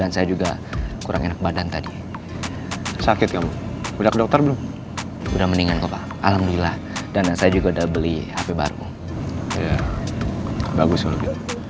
saya udah dateng ke makamnya tapi yang